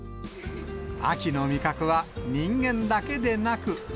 秋の味覚は人間だけでなく。